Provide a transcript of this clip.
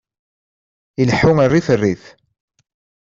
Ileḥḥu rrif rrif!